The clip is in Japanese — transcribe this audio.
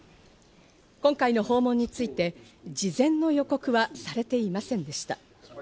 今回の訪問について、事前の予告はされていませんでした。